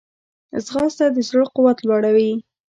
ځغاسته د زړه قوت لوړوي